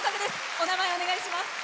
お名前、お願いします。